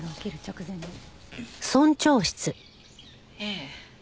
ええ。